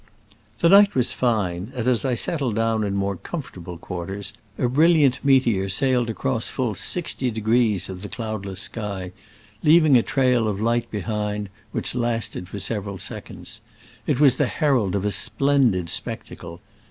The night was fine, and as I settled down in more comfortable quarters, a brilliant meteor sailed across full 60° of the cloudless sky, leaving a trail of light behind which lasted for several sec onds. It was the herald of a splendid spectacle.